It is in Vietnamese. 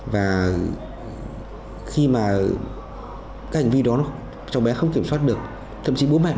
và khi mà cái hành vi đó chồng bé không kiểm soát được thậm chí bố mẹ đi cạnh bất chật